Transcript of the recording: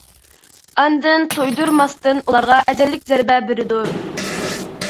ئاندىن تۇيدۇرماستىن ئۇلارغا ئەجەللىك زەربە بېرىدۇ.